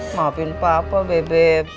maafin papa bebe